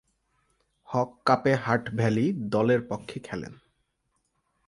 হক কাপে হাট ভ্যালি দলের পক্ষে খেলেন।